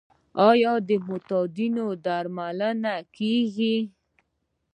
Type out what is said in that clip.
آیا معتادین درملنه کیږي؟